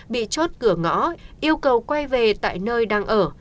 bị chốt cửa ngõ yêu cầu quay về tại nơi đang ở